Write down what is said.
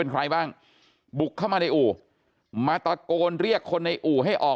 ใครบ้างบุกเข้ามาในอู่มาตะโกนเรียกคนในอู่ให้ออก